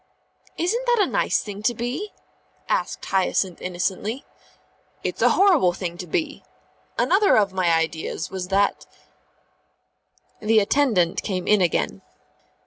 "Isn't that a nice thing to be?" asked Hyacinth innocently. "It's a horrible thing to be. Another of my ideas was that " The attendant came in again.